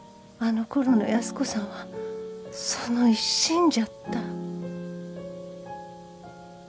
あのころの安子さんはその一心じゃった。